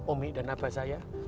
omi dan abah saya